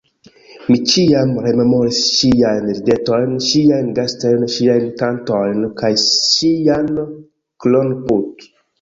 Mi ĉiam rememoris ŝiajn ridetojn, ŝiajn gestojn, ŝiajn kantojn kaj ŝian kron-put.